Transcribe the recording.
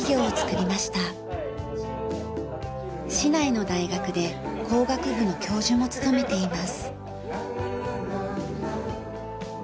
市内の大学で工学部の教授も務めています。